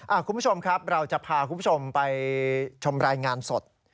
คุณผู้ชมครับเราจะพาคุณผู้ชมไปชมรายงานสด